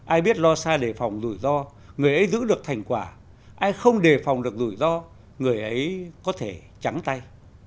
ai biết lo xa để phòng rủi ro người ấy giữ được thành quả ai không đề phòng được rủi ro người ấy có thể trắng tay